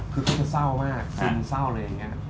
คือเขาจะเศร้ามากซึมเศร้าอะไรอย่างนี้